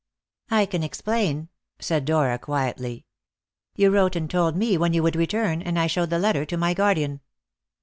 "I can explain," said Dora quietly. "You wrote and told me when you would return, and I showed the letter to my guardian."